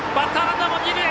バッターランナーも二塁へ！